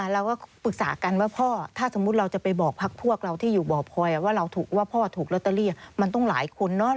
เราก็ปรึกษากันว่าพ่อถ้าสมมุติเราจะไปบอกพักพวกเราที่อยู่บ่อพลอยว่าพ่อถูกลอตเตอรี่มันต้องหลายคนเนอะ